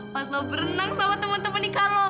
pas lo berenang sama temen temen ikan lo